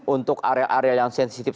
untuk area area yang sensitif